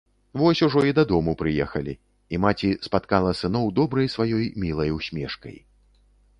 Вось ужо і дадому прыехалі, і маці спаткала сыноў добрай сваёй мілай усмешкай.